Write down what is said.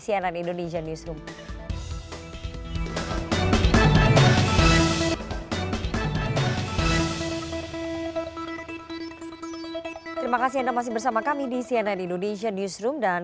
cnn indonesian newsroom terima kasih anda masih bersama kami di cnn indonesian newsroom dan kami